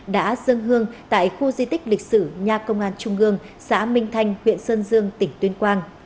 đã dân hương tại khu di tích lịch sử nhà công an trung gương xã minh thanh huyện sơn dương tỉnh tuyên quang